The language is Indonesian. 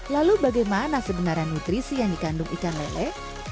lalu bagaimana sebenarnya nutrisi yang dikandung ikan lele